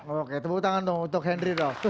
oke tepuk tangan dong untuk henry doh